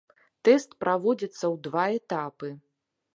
Тэст праводзіцца ў два этапы.